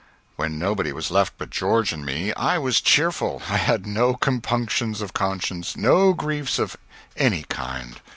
When nobody was left but George and me I was cheerful I had no compunctions of conscience, no griefs of any kind.